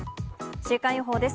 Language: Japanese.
週間予報です。